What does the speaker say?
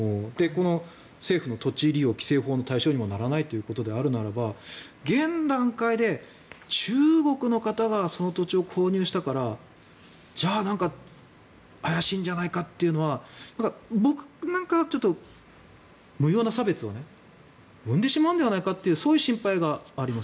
政府の土地利用規制法の対象にもならないのであれば現段階で、中国の方がその土地を購入したからじゃあなんか怪しいんじゃないかというのは僕なんかは、無用な差別を生んでしまうんじゃないかというそういう心配があります。